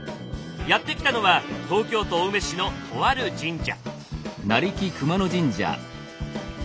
やって来たのは東京都青梅市のとある神社。